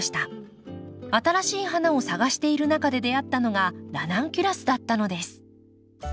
新しい花を探している中で出会ったのがラナンキュラスだったのです。